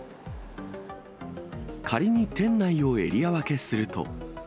仮に店内をエリア分けすると。